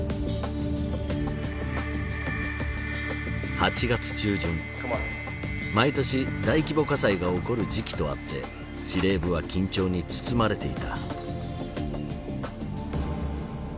８月中旬毎年大規模火災が起こる時期とあって司令部は緊張に包まれていた。